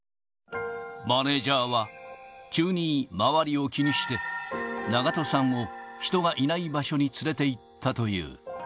マネージャーは急に周りを気にして、長渡さんを人がいない場所に連れていったという。